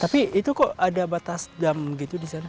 tapi itu kok ada batas dam gitu di sana